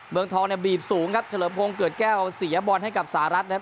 เมืองทองเนี่ยบีบสูงครับเฉลิมพงศ์เกิดแก้วเสียบอลให้กับสหรัฐนะครับ